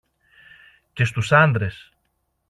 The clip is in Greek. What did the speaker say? Και στους άντρες